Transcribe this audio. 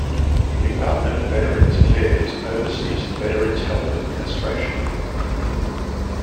The Department of Veterans Affairs oversees the Veterans Health Administration.